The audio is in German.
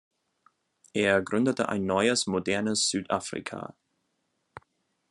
Er gründete ein neues, modernes Südafrika.